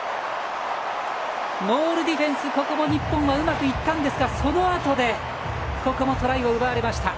モールディフェンス、ここも日本はうまくいったんですがそのあとでここもトライを奪われました。